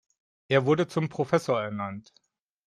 Er wurde zum Professor ernannt.